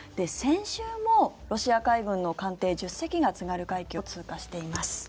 先週もロシア海軍の艦艇１０隻が津軽海峡を通過しています。